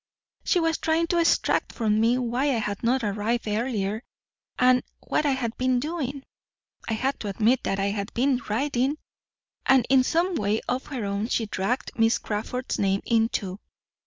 She was trying to extract from me why I had not arrived earlier and what I had been doing. I had to admit that I had been riding, and in some way of her own she dragged Miss Crawford's name in too.